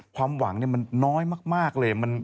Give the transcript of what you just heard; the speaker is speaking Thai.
ความหวังมันน้อยมากเลย